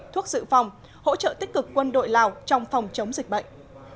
thuốc dự phòng hỗ trợ tích cực quân đội lào trong phòng chống dịch bệnh